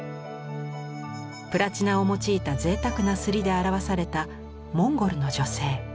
プラチナを用いた贅沢なりで表されたモンゴルの女性。